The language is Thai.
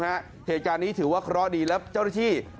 เหตุการณ์นี้ถือว่าเคราะห์ดีแล้วเจ้าหน้าที่